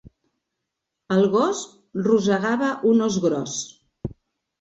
El gos rosegava un os gros.